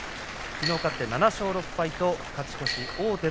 きのう勝って７勝６敗と勝ち越しに王手。